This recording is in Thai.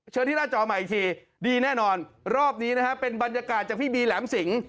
ที่หน้าจอใหม่อีกทีดีแน่นอนรอบนี้นะฮะเป็นบรรยากาศจากพี่บีแหลมสิง